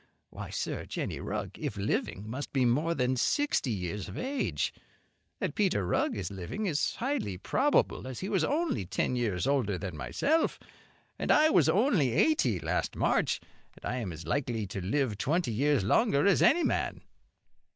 Why, sir, Jenny Rugg if living must be more than sixty years of age. That Peter Rugg is living is highly probable, as he was only ten years older than myself; and I was only eighty last March, and I am as likely to live twenty years longer as any man."